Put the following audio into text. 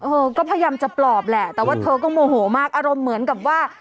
เออก็พยายามจะปลอบแหละแต่ว่าเธอก็โมโหมากอารมณ์เหมือนกับว่า